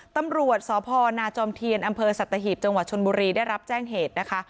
ตำรวจสพนาจอมเทียนอำเภอสัตหีบจังหวัดชนบุรีได้รับแจ้งเหตุนะคะ